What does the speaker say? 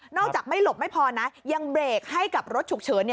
จากไม่หลบไม่พอนะยังเบรกให้กับรถฉุกเฉิน